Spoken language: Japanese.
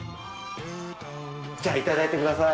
じゃあいただいてください。